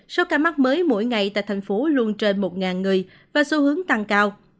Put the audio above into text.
số ca mắc mới mỗi ngày tại thành phố luôn trên một người và xu hướng tăng cao